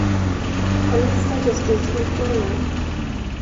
Han visste att jag skulle svika honom.